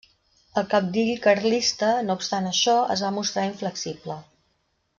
El cabdill carlista, no obstant això, es va mostrar inflexible.